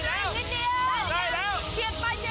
ได้หรือยังผู้โชคดี